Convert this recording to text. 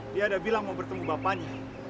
dia udah bilang mau bertemu bapaknya